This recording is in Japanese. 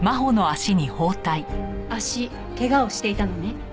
足けがをしていたのね。